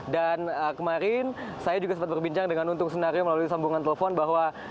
dan kemarin saya juga sempat berbincang dengan untung senario melalui sambungan telepon bahwa